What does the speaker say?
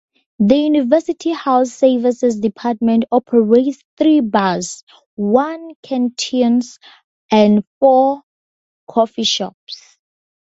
The University House Services department operates three bars, one canteen and four coffee shops.